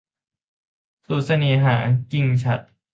สูตรเสน่หา - กิ่งฉัตร